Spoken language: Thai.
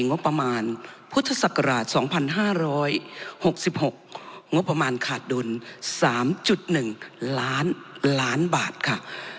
งบประมาณพุทธศักราช๒๕๖๖งบประมาณขาดดุล๓๑ล้านล้านบาทค่ะ